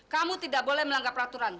kamu tidak boleh melanggar peraturan